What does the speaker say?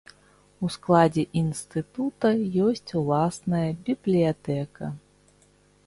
У складзе інстытута ёсць ўласная бібліятэка.